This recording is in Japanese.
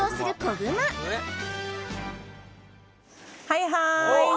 はいはーい